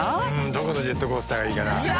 どこのジェットコースターがいいかな？